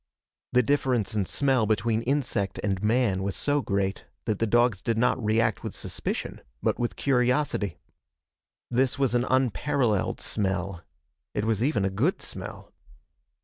The difference in smell between insect and man was so great that the dogs did not react with suspicion, but with curiosity. This was an unparalleled smell. It was even a good smell.